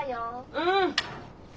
うん。